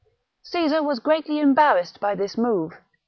Caesar was greatly embarrassed by this move.